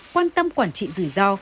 quan tâm quản trị rủi ro